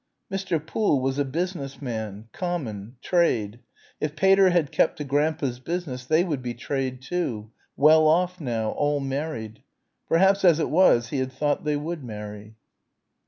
Mr. Poole was a business man ... common ... trade.... If Pater had kept to Grandpa's business they would be trade, too well off, now all married. Perhaps as it was he had thought they would marry.